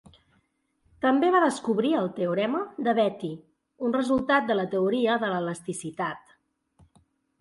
També va descobrir el teorema de Betti, un resultat de la teoria de l'elasticitat.